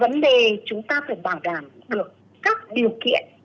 vấn đề chúng ta phải bảo đảm được các điều kiện